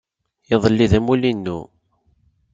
Iḍelli d amulli-inu.